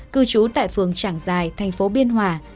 cư trú tại phường trảng giài thành phố biên hòa